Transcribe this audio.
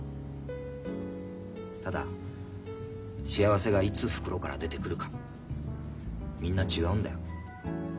ただ幸せがいつ袋から出てくるかみんな違うんだよ。